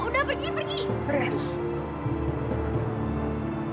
udah pergi pergi